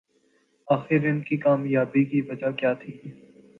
آخر ان کی کامیابی کی وجہ کیا تھی